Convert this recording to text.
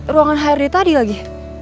ruangan hrd tadi lagi